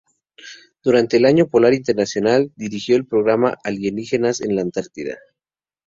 Durante el Año Polar Internacional dirigió el programa "Alienígenas en la Antártida".